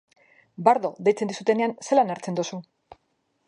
Bardo deitzen dizutenean, zelan hartzen duzu?